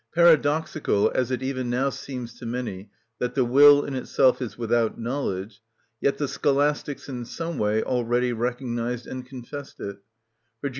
Paradoxical as it even now seems to many that the will in itself is without knowledge, yet the scholastics in some way already recognised and confessed it; for Jul.